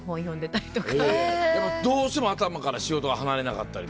どうしても頭から仕事が離れなかったりとか？